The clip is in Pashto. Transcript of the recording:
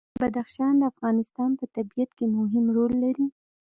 بدخشان د افغانستان په طبیعت کې مهم رول لري.